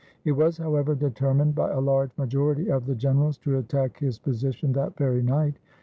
It was, however, determined by a large majority of the generals to attack his position that very night.